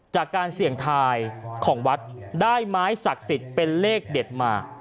จากการเสี่ยงทายของวัดได้ไม้ศักดิ์สิทธิ์เป็นเลขเด็ดมา